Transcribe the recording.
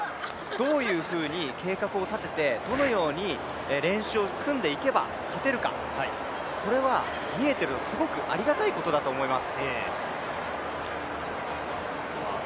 どういうふうに計画を立ててどのように練習を組んでいけば勝てるか、これは見えている、これはすごくありがたいことだと思います。